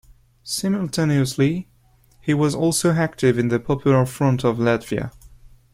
Simultaneously, he was also active in the Popular Front of Latvia.